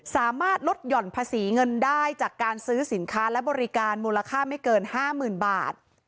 สามารถลดหย่อนภาษีเงินได้จากการซื้อสินค้าและบริการมูลค่าไม่เกิน๕๐๐๐บาท